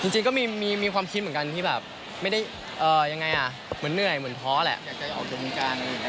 จริงก็มีความคิดเหมือนกันที่แบบไม่ได้ยังไงอ่ะเหมือนเหนื่อยเหมือนเพราะแหละ